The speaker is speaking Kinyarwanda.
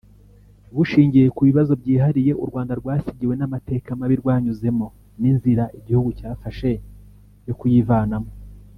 Bushingiye ku bibazo byihariye u Rwanda rwasigiwe n’amateka mabi rwanyuzemo n’inzira igihugu cyafashe yo kuyivanamo